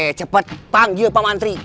eh cepet panggil pak mantri